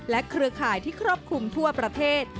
เครือข่ายที่ครอบคลุมทั่วประเทศ